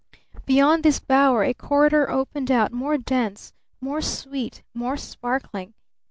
Beyond this bower a corridor opened out more dense, more sweet, more sparkling.